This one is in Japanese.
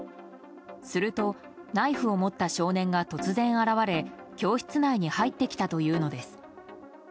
するとナイフを持った少年が突然現れ教室内に入ってきたというのです。